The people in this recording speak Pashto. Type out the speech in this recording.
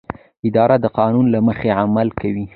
اداره د قانون له مخې عمل کوي.